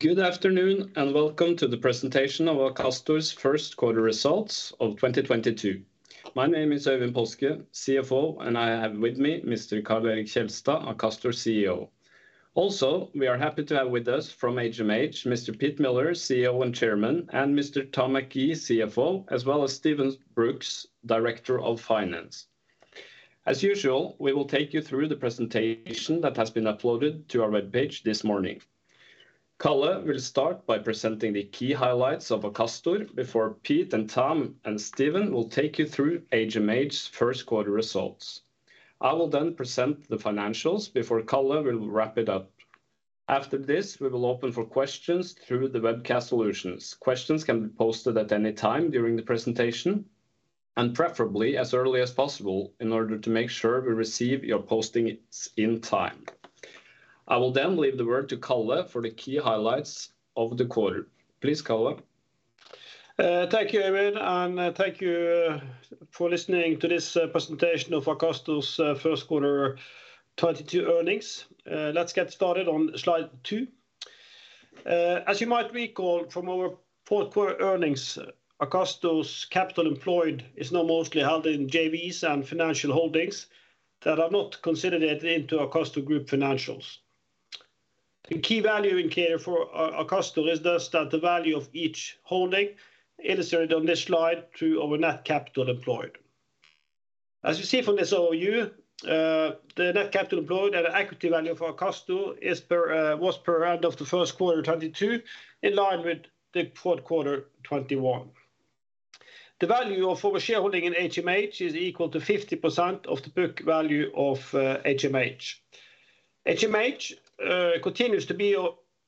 Good afternoon, and welcome to the presentation of Akastor's first quarter results of 2022. My name is Øyvind Paaske, CFO, and I have with me Mr. Karl Erik Kjelstad, Akastor's CEO. Also, we are happy to have with us from HMH Mr. Pete Miller, CEO and Chairman, and Mr. Tom McGee, CFO, as well as Steven Brooks, Director of Finance. As usual, we will take you through the presentation that has been uploaded to our webpage this morning. Karl will start by presenting the key highlights of Akastor before Pete and Tom and Steven will take you through HMH's first quarter results. I will then present the financials before Karl will wrap it up. After this, we will open for questions through the webcast solutions. Questions can be posted at any time during the presentation, and preferably as early as possible in order to make sure we receive your postings in time. I will then leave the word to Karl for the key highlights of the quarter. Please, Karl. Thank you, Øyvind, and thank you for listening to this presentation of Akastor's first quarter 2022 earnings. Let's get started on slide two. As you might recall from our fourth quarter earnings, Akastor's capital employed is now mostly held in JVs and financial holdings that are not consolidated into Akastor group financials. The key value indicator for Akastor is thus that the value of each holding, illustrated on this slide through our net capital employed. As you see from this overview, the net capital employed and the equity value of Akastor was per end of the first quarter 2022 in line with the fourth quarter 2021. The value of our shareholding in HMH is equal to 50% of the book value of HMH. HMH continues to be,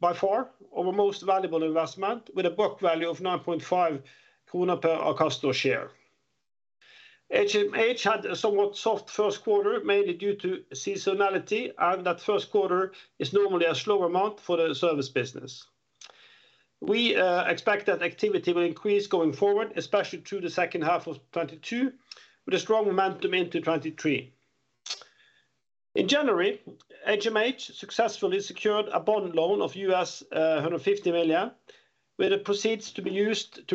by far, our most valuable investment with a book value of 9.5 krone per Akastor share. HMH had a somewhat soft first quarter, mainly due to seasonality, and that first quarter is normally a slower month for the service business. We expect that activity will increase going forward, especially through the second half of 2022, with a strong momentum into 2023. In January, HMH successfully secured a bond loan of $150 million, with the proceeds used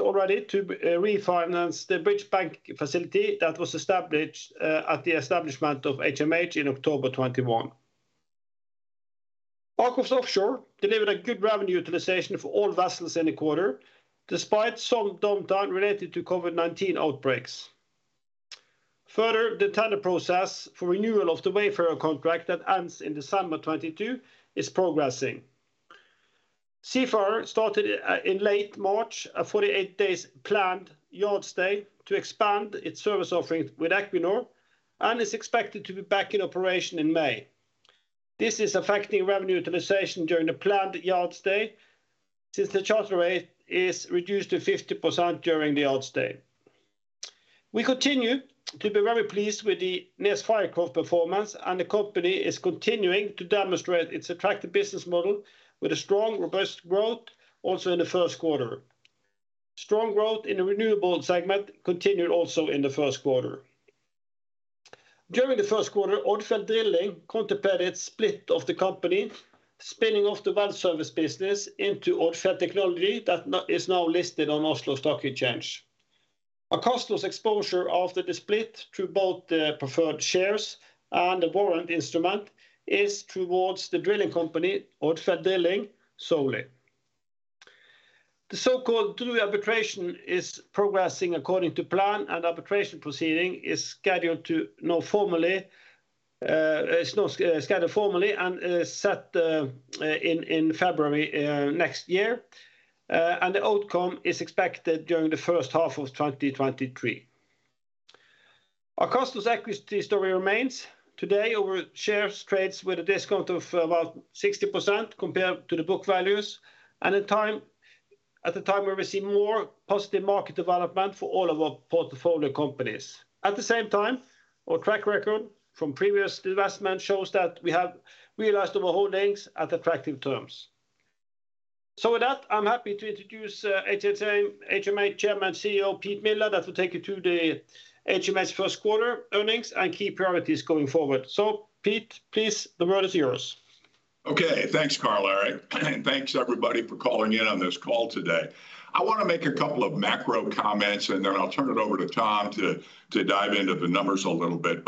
already to refinance the bridge loan facility that was established at the establishment of HMH in October 2021. AKOFS Offshore delivered a good revenue utilization for all vessels in the quarter, despite some downtime related to COVID-19 outbreaks. Further, the tender process for renewal of the Aker Wayfarer contract that ends in December 2022 is progressing. Aker Seafarer started in late March a 48-day planned yard stay to expand its service offering with Equinor and is expected to be back in operation in May. This is affecting revenue utilization during the planned yard stay since the charter rate is reduced to 50% during the yard stay. We continue to be very pleased with the NES Fircroft performance and the company is continuing to demonstrate its attractive business model with a strong robust growth also in the first quarter. Strong growth in the renewable segment continued also in the first quarter. During the first quarter, Odfjell Drilling contemplated split of the company, spinning off the well service business into Odfjell Technology that is now listed on Oslo Stock Exchange. Akastor's exposure after the split to both the preferred shares and the warrant instrument is towards the drilling company, Odfjell Drilling, solely. The so-called DRU arbitration is progressing according to plan, and arbitration proceeding is now formally scheduled and set in February next year. The outcome is expected during the first half of 2023. Akastor's equity story remains. Today our shares trades with a discount of about 60% compared to the book values and in time at the time where we see more positive market development for all of our portfolio companies. At the same time, our track record from previous divestment shows that we have realized our holdings at attractive terms. With that, I'm happy to introduce HMH Chairman and CEO Pete Miller that will take you through the HMH first quarter earnings and key priorities going forward. Pete, please, the word is yours. Okay. Thanks, Karl-Erik. Thanks everybody for calling in on this call today. I wanna make a couple of macro comments, and then I'll turn it over to Tom to dive into the numbers a little bit.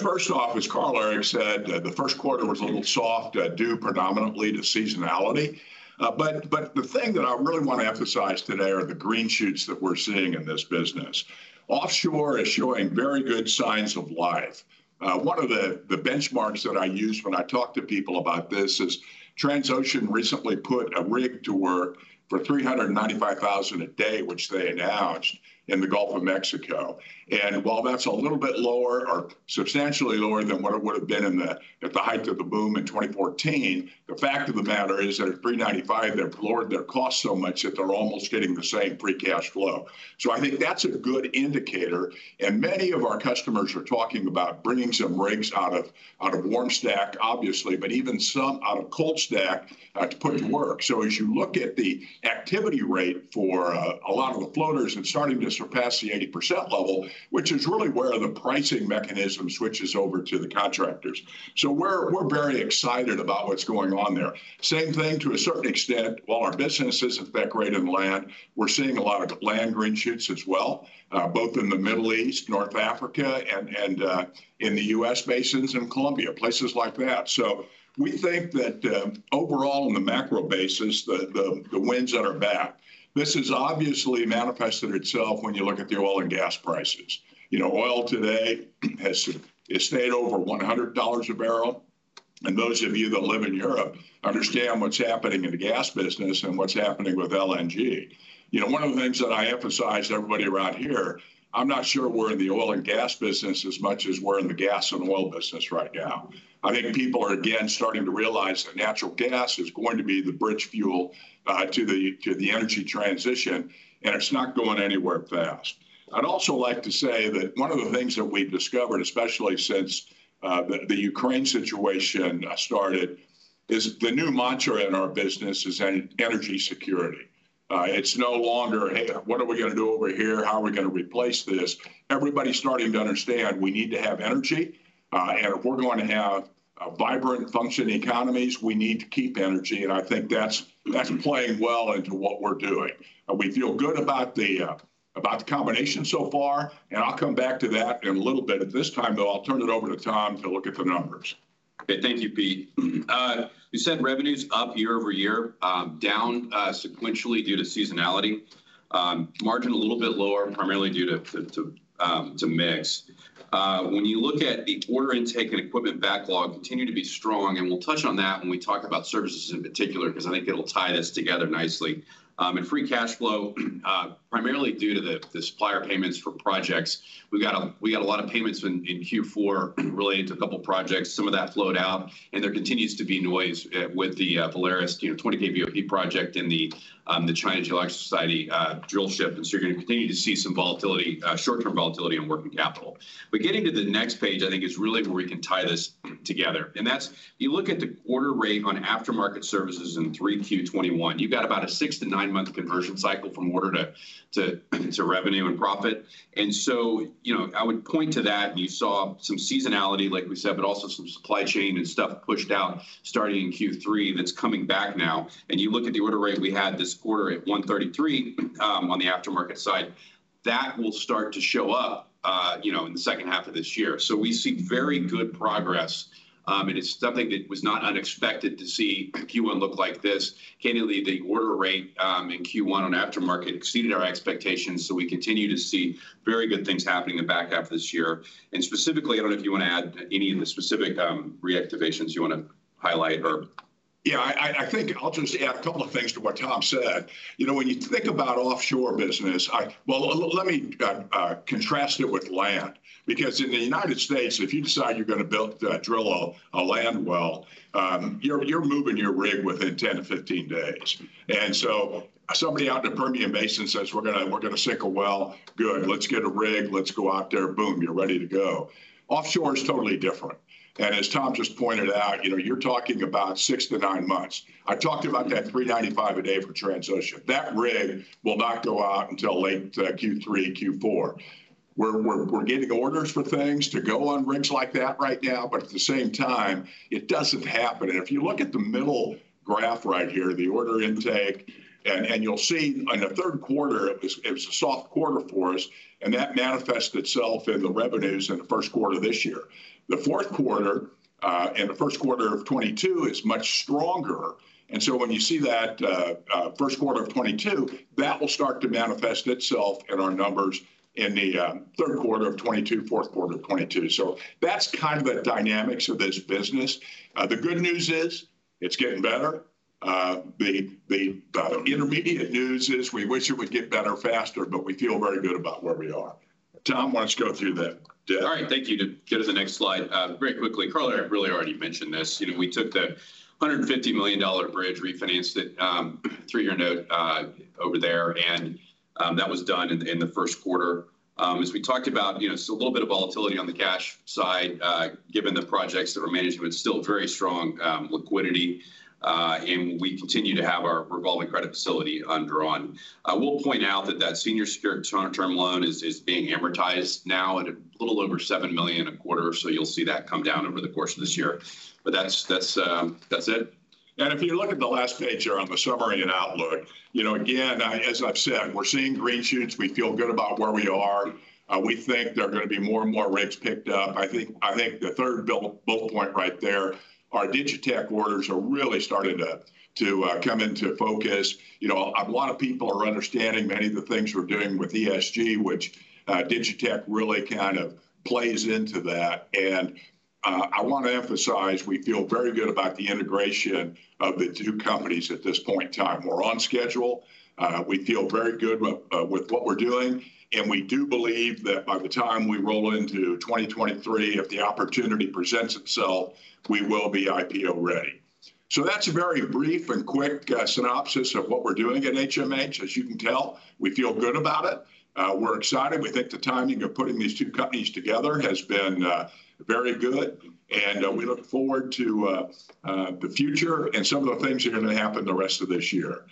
First off, as Carl-Erik said, the first quarter was a little soft, due predominantly to seasonality. The thing that I really wanna emphasize today are the green shoots that we're seeing in this business. Offshore is showing very good signs of life. One of the benchmarks that I use when I talk to people about this is Transocean recently put a rig to work for $395,000 a day, which they announced in the Gulf of Mexico. While that's a little bit lower or substantially lower than what it would have been at the height of the boom in 2014, the fact of the matter is that at $395,000, they've lowered their cost so much that they're almost getting the same free cash flow. I think that's a good indicator, and many of our customers are talking about bringing some rigs out of warm stack, obviously, but even some out of cold stack to put to work. As you look at the activity rate for a lot of the floaters is starting to surpass the 80% level, which is really where the pricing mechanism switches over to the contractors. We're very excited about what's going on there. Same thing to a certain extent, while our business is integrated land, we're seeing a lot of land green shoots as well, both in the Middle East, North Africa and in the U.S. basins, in Colombia, places like that. We think that overall on the macro basis, the winds at our back. This has obviously manifested itself when you look at the oil and gas prices. You know, oil today has stayed over $100 a barrel, and those of you that live in Europe understand what's happening in the gas business and what's happening with LNG. You know, one of the things that I emphasize to everybody around here, I'm not sure we're in the oil and gas business as much as we're in the gas and oil business right now. I think people are again starting to realize that natural gas is going to be the bridge fuel to the energy transition, and it's not going anywhere fast. I'd also like to say that one of the things that we've discovered, especially since the Ukraine situation started, is the new mantra in our business is energy security. It's no longer, "Hey, what are we gonna do over here? How are we gonna replace this?" Everybody's starting to understand we need to have energy, and if we're going to have vibrant functioning economies, we need to keep energy, and I think that's playing well into what we're doing. We feel good about the combination so far, and I'll come back to that in a little bit. At this time, though, I'll turn it over to Tom to look at the numbers. Okay. Thank you, Pete. You said revenues up year-over-year, down sequentially due to seasonality. Margin a little bit lower primarily due to mix. When you look at the order intake and equipment backlog continue to be strong, and we'll touch on that when we talk about services in particular because I think it'll tie this together nicely. Free cash flow primarily due to the supplier payments for projects. We got a lot of payments in Q4 related to a couple projects. Some of that flowed out, and there continues to be noise with the Valaris, you know, 20K BOP project and the China Merchants drill ship. You're gonna continue to see some volatility, short-term volatility in working capital. Getting to the next page I think is really where we can tie this together, and that's. You look at the order rate on aftermarket services in 3Q 2021. You got about a six-to-nine-month conversion cycle from order to revenue and profit. You know, I would point to that, and you saw some seasonality, like we said, but also some supply chain and stuff pushed out starting in Q3 that's coming back now. You look at the order rate we had this quarter at 133 on the aftermarket side. That will start to show up, you know, in the second half of this year. We see very good progress, and it's something that was not unexpected to see Q1 look like this. Candidly, the order rate in Q1 on aftermarket exceeded our expectations, so we continue to see very good things happening in the back half of this year. Specifically, I don't know if you wanna add any of the specific reactivations you wanna highlight or- Yeah, I think I'll just add a couple of things to what Tom said. You know, when you think about offshore business, well, let me contrast it with land because in the United States, if you decide you're gonna drill a land well, you're moving your rig within 10-15 days. Somebody out in Permian Basin says, "We're gonna sink a well." Good. Let's get a rig. Let's go out there. Boom. You're ready to go. Offshore is totally different. As Tom just pointed out, you know, you're talking about six to nine months. I talked about that $395,000 a day for Transocean. That rig will not go out until late Q3, Q4. We're getting orders for things to go on rigs like that right now, but at the same time, it doesn't happen. If you look at the middle graph right here, the order intake, you'll see in the third quarter, it was a soft quarter for us, and that manifests itself in the revenues in the first quarter of this year. The fourth quarter and the first quarter of 2022 is much stronger. When you see that first quarter of 2022, that will start to manifest itself in our numbers in the third quarter of 2022, fourth quarter of 2022. That's kind of the dynamics of this business. The good news is it's getting better. The interim news is we wish it would get better faster, but we feel very good about where we are. Tom, why don't you go through the debt? All right. Thank you. To go to the next slide, very quickly, Karl-Erik really already mentioned this. You know, we took the $150 million bridge, refinanced it, three-year note over there, and that was done in the first quarter. As we talked about, you know, a little bit of volatility on the cash side, given the projects that we're managing, but still very strong liquidity. We continue to have our revolving credit facility undrawn. We'll point out that that senior secured shorter-term loan is being amortized now at a little over $7 million a quarter. You'll see that come down over the course of this year. That's it. If you look at the last page here on the summary and outlook, you know, again, as I've said, we're seeing green shoots. We feel good about where we are. We think there are gonna be more and more rigs picked up. I think the third bullet point right there, our DigiTech orders are really starting to come into focus. You know, a lot of people are understanding many of the things we're doing with ESG, which DigiTech really kind of plays into that. I wanna emphasize we feel very good about the integration of the two companies at this point in time. We're on schedule. We feel very good with what we're doing, and we do believe that by the time we roll into 2023, if the opportunity presents itself, we will be IPO ready. That's a very brief and quick synopsis of what we're doing at HMH. As you can tell, we feel good about it. We're excited. We think the timing of putting these two companies together has been very good, and we look forward to the future and some of the things that are gonna happen the rest of this year.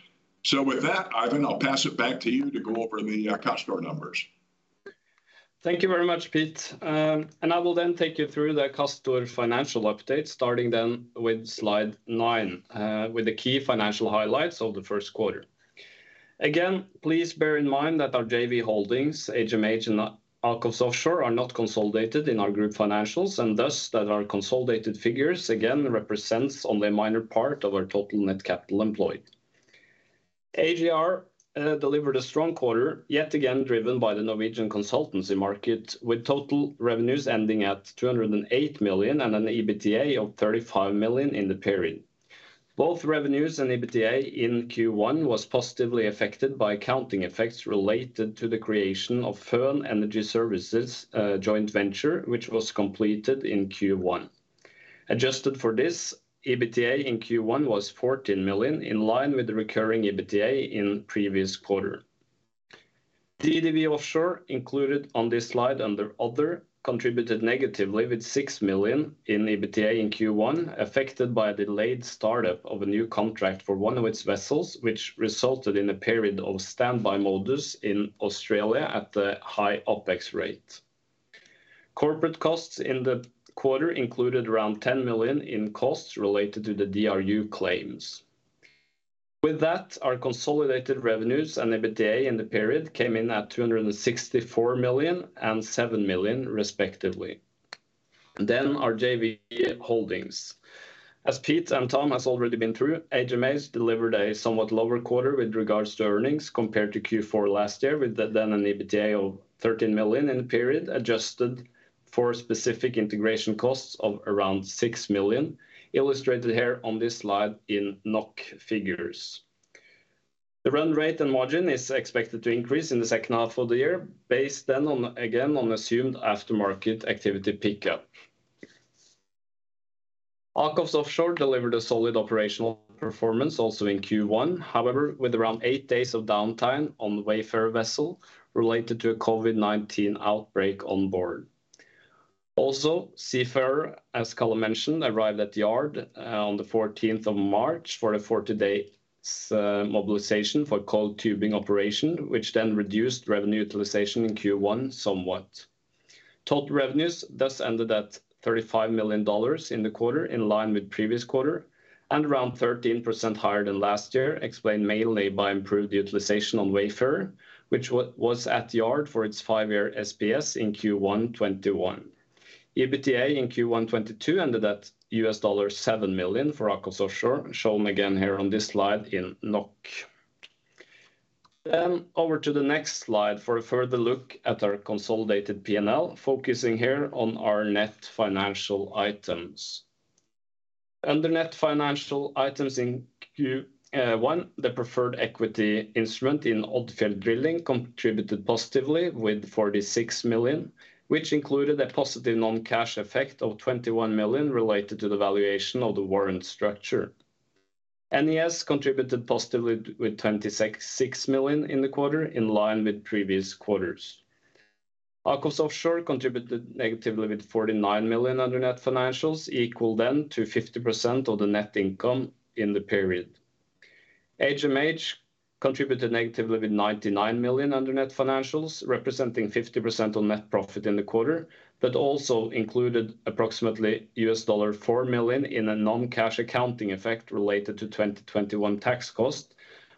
With that, Øyvind, I'll pass it back to you to go over the Akastor numbers. Thank you very much, Pete. I will then take you through the quarter financial update, starting with slide nine, with the key financial highlights of the first quarter. Again, please bear in mind that our JV holdings, HMH and Aker Offshore, are not consolidated in our group financials, and thus, that our consolidated figures again represents only a minor part of our total net capital employed. AGR delivered a strong quarter, yet again driven by the Norwegian consultancy market, with total revenues ending at 208 million and an EBITDA of 35 million in the period. Both revenues and EBITDA in Q1 was positively affected by accounting effects related to the creation of Føn Energy Services joint venture, which was completed in Q1. Adjusted for this, EBITDA in Q1 was 14 million, in line with the recurring EBITDA in previous quarter. DDW Offshore, included on this slide under other, contributed negatively with 6 million in EBITDA in Q1, affected by a delayed startup of a new contract for one of its vessels, which resulted in a period of standby mode in Australia at the high OPEX rate. Corporate costs in the quarter included around 10 million in costs related to the DRU claims. With that, our consolidated revenues and EBITDA in the period came in at 264 million and 7 million respectively. Our JV holdings. As Pete and Tom has already been through, HMH delivered a somewhat lower quarter with regards to earnings compared to Q4 last year with then an EBITDA of 13 million in the period, adjusted for specific integration costs of around 6 million, illustrated here on this slide in NOK figures. The run rate and margin is expected to increase in the second half of the year based then on, again, on assumed aftermarket activity pickup. AKOFS Offshore delivered a solid operational performance also in Q1. However, with around eight days of downtime on the Wayfarer vessel related to a COVID-19 outbreak on board. Also, Seafarer, as Karl mentioned, arrived at yard on the fourteenth of March for a 40-day mobilization for coiled tubing operation, which then reduced revenue utilization in Q1 somewhat. Total revenues thus ended at $35 million in the quarter, in line with previous quarter and around 13% higher than last year, explained mainly by improved utilization on Wayfarer, which was at yard for its five-year SPS in Q1 2021. EBITDA in Q1 2022 ended at $7 million for AKOFS Offshore, shown again here on this slide in NOK. Over to the next slide for a further look at our consolidated P&L, focusing here on our net financial items. Under net financial items in Q1, the preferred equity instrument in Odfjell Drilling contributed positively with 46 million, which included a positive non-cash effect of 21 million related to the valuation of the warrant structure. NES contributed positively with 26 million in the quarter, in line with previous quarters. Aker Offshore contributed negatively with 49 million under net financials, equal then to 50% of the net income in the period. HMH contributed negatively with 99 million under net financials, representing 50% on net profit in the quarter, but also included approximately $4 million in a non-cash accounting effect related to 2021 tax cost,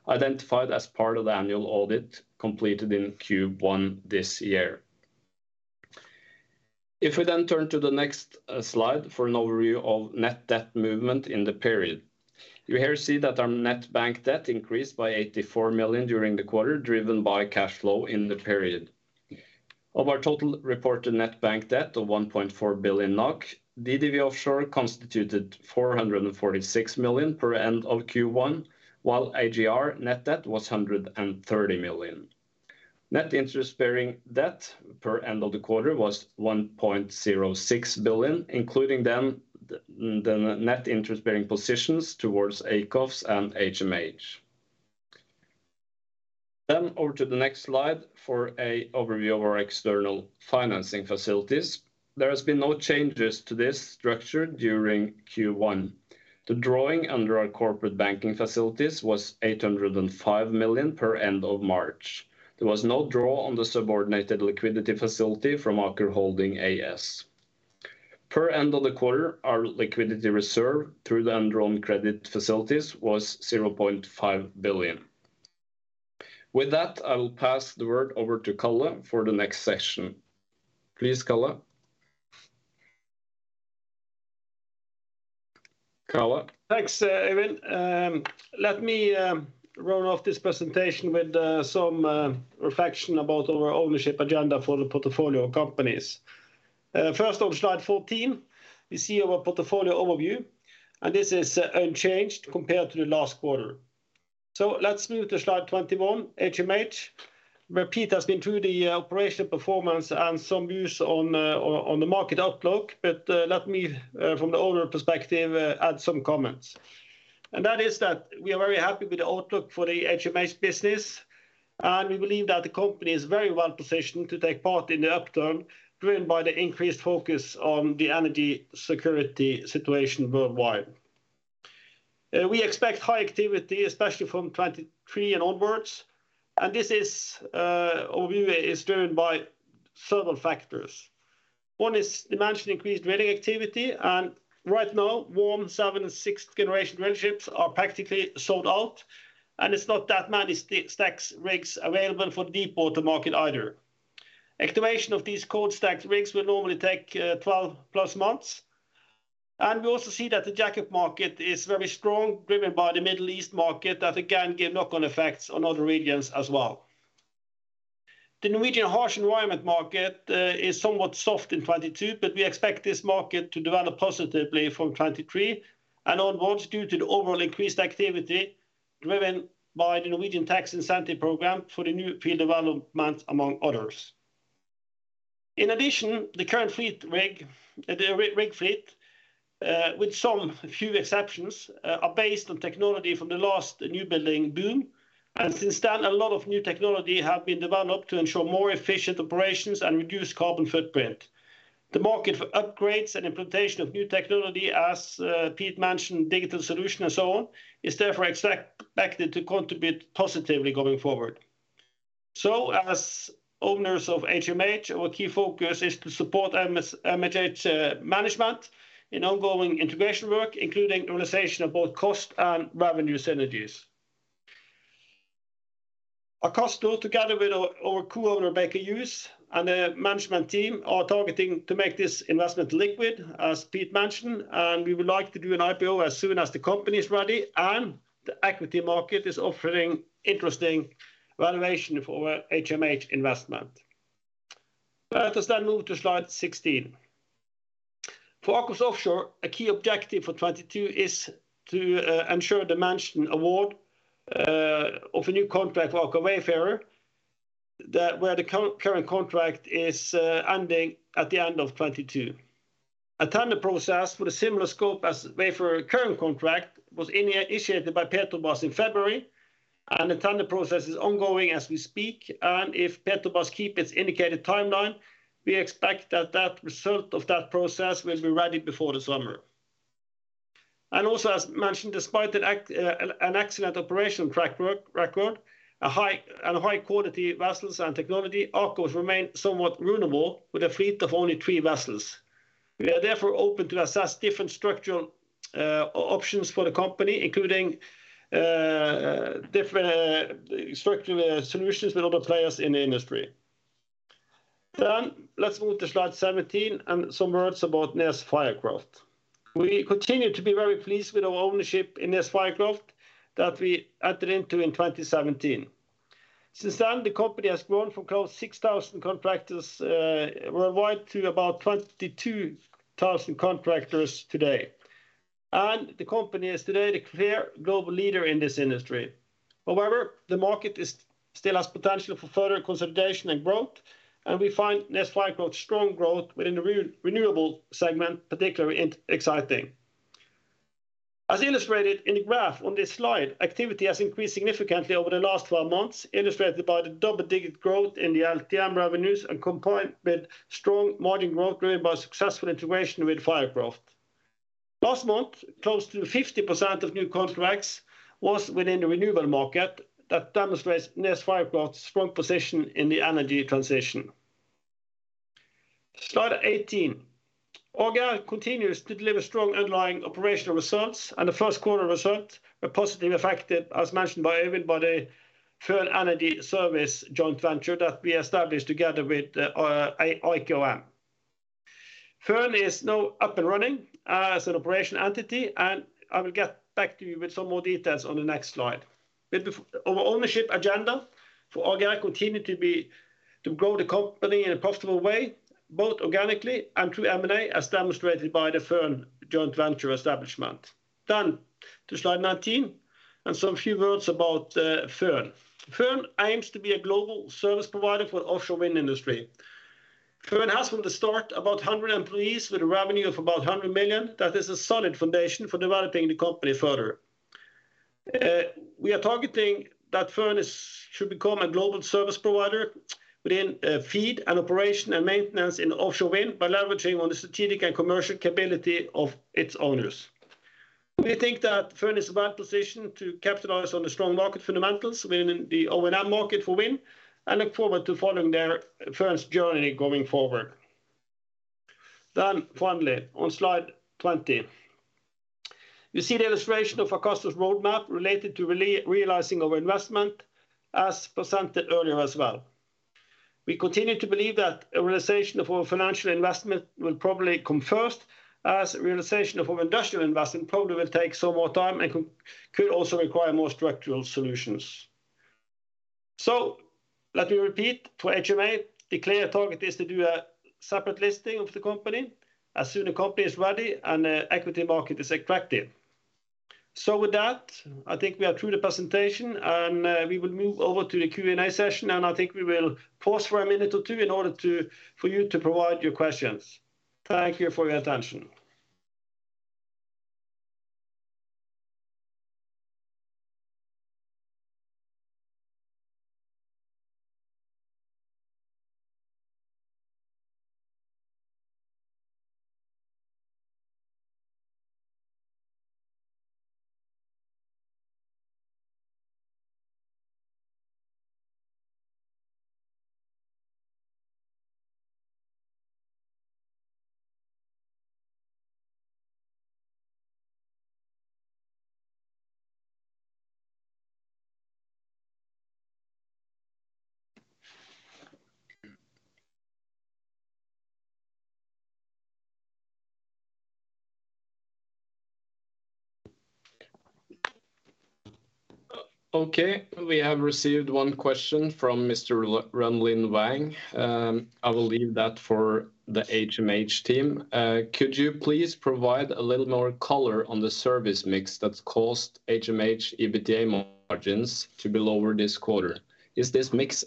identified as part of the annual audit completed in Q1 this year. If we then turn to the next slide for an overview of net debt movement in the period. You here see that our net bank debt increased by 84 million during the quarter, driven by cash flow in the period. Of our total reported net bank debt of 1.4 billion NOK, DDW Offshore constituted 446 million per end of Q1, while AGR net debt was 130 million. Net interest-bearing debt per end of the quarter was 1.06 billion, including the net interest-bearing positions toward AKOFS and HMH. Over to the next slide for an overview of our external financing facilities. There has been no changes to this structure during Q1. The drawing under our corporate banking facilities was 805 million per end of March. There was no draw on the subordinated liquidity facility from Aker Holding AS. Per end of the quarter, our liquidity reserve through the undrawn credit facilities was 0.5 billion. With that, I will pass the word over to Karl for the next session. Please, Karl. Karl? Thanks, Øyvind. Let me run through this presentation with some reflection about our ownership agenda for the portfolio companies. First, on slide 14, we see our portfolio overview, and this is unchanged compared to the last quarter. Let's move to slide 21, HMH, where Pete has been through the operational performance and some views on the market outlook. Let me from the owner perspective add some comments. That is that we are very happy with the outlook for the HMH business, and we believe that the company is very well positioned to take part in the upturn driven by the increased focus on the energy security situation worldwide. We expect high activity, especially from 2023 and onwards. This overview is driven by several factors. One is dimension increased drilling activity, and right now 7th and 6th generation drill ships are practically sold out, and it's not that many stacked rigs available for the deepwater market either. Activation of these cold stacked rigs will normally take 12+ months. We also see that the jackup market is very strong, driven by the Middle East market that, again, give knock-on effects on other regions as well. The Norwegian harsh environment market is somewhat soft in 2022, but we expect this market to develop positively from 2023 and onwards due to the overall increased activity driven by the Norwegian tax incentive program for the new field development, among others. In addition, the current fleet rig, the rig fleet, with some few exceptions, are based on technology from the last new building boom. Since then, a lot of new technology have been developed to ensure more efficient operations and reduce carbon footprint. The market for upgrades and implementation of new technology, as Pete mentioned, digital solution and so on, is therefore expected to contribute positively going forward. As owners of HMH, our key focus is to support HMH's management in ongoing integration work, including realization of both cost and revenue synergies. Akastor, together with our co-owner, Baker Hughes, and the management team, are targeting to make this investment liquid, as Pete mentioned, and we would like to do an IPO as soon as the company is ready and the equity market is offering interesting valuation for our HMH investment. Let us move to slide 16. For AKOFS Offshore, a key objective for 2022 is to ensure the mentioned award of a new contract for Aker Wayfarer, where the current contract is ending at the end of 2022. A tender process with a similar scope as Wayfarer current contract was initiated by Petrobras in February, and the tender process is ongoing as we speak. If Petrobras keep its indicated timeline, we expect that result of that process will be ready before the summer. As mentioned, despite an excellent operational track record, high quality vessels and technology, AKOFS Offshore remain somewhat vulnerable with a fleet of only three vessels. We are therefore open to assess different structural options for the company, including different structural solutions with other players in the industry. Let's move to slide 17 and some words about NES Fircroft. We continue to be very pleased with our ownership in NES Fircroft that we entered into in 2017. Since then, the company has grown from close to 6,000 contractors worldwide to about 22,000 contractors today. The company is today the clear global leader in this industry. However, the market still has potential for further consolidation and growth, and we find NES Fircroft's strong growth within the renewable segment particularly exciting. As illustrated in the graph on this slide, activity has increased significantly over the last 12 months, illustrated by the double-digit growth in the LTM revenues and combined with strong margin growth driven by successful integration with Fircroft. Last month, close to 50% of new contracts was within the renewable market that demonstrates NES Fircroft's strong position in the energy transition. Slide eighteen. Aker continues to deliver strong underlying operational results, and the first quarter results were positively affected, as mentioned by everybody, Føn energy services joint venture that we established together with Aker Offshore & Marine. Føn is now up and running as an operational entity, and I will get back to you with some more details on the next slide. Our ownership agenda for Aker continues to be to grow the company in a profitable way, both organically and through M&A, as demonstrated by the Føn joint venture establishment. To slide nineteen and some few words about Føn. Føn aims to be a global service provider for offshore wind industry. Føn has from the start about 100 employees with a revenue of about 100 million. That is a solid foundation for developing the company further. We are targeting that Føn should become a global service provider within feed and operation and maintenance in offshore wind by leveraging on the strategic and commercial capability of its owners. We think that Føn is well-positioned to capitalize on the strong market fundamentals within the O&M market for wind and look forward to following their, Føn's journey going forward. Finally, on slide 20, you see the illustration of Akastor's roadmap related to realizing our investment, as presented earlier as well. We continue to believe that a realization of our financial investment will probably come first, as realization of our industrial investment probably will take some more time and could also require more structural solutions. Let me repeat to HMH, the clear target is to do a separate listing of the company as soon as the company is ready and the equity market is attractive. With that, I think we are through the presentation, and we will move over to the Q&A session, and I think we will pause for a minute or two for you to provide your questions. Thank you for your attention. Okay. We have received one question from Mr. Renlin Wang. I will leave that for the HMH team. Could you please provide a little more color on the service mix that's caused HMH EBITDA margins to be lower this quarter? Is this mix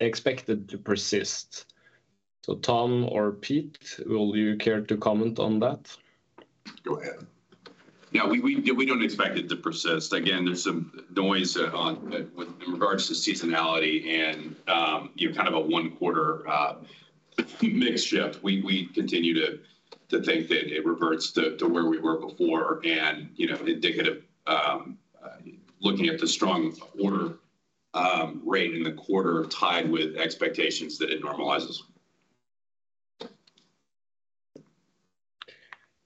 expected to persist? Tom or Pete, will you care to comment on that? Go ahead. Yeah, we don't expect it to persist. Again, there's some noise in regards to seasonality and, you know, kind of a one-quarter mix shift. We continue to think that it reverts to where we were before and, you know, indicative looking at the strong order rate in the quarter tied with expectations that it normalizes.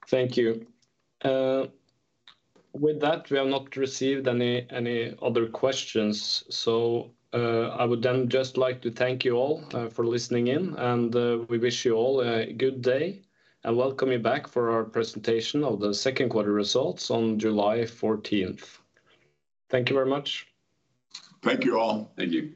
Thank you. With that, we have not received any other questions, so I would then just like to thank you all for listening in, and we wish you all a good day and welcome you back for our presentation of the second quarter results on July 14th. Thank you very much. Thank you all. Thank you.